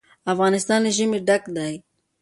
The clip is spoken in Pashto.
افغانستان له ژمی ډک دی.